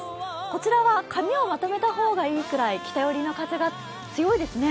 こちらは髪をまとめた方がいいくらい、北寄りの風が強いですね。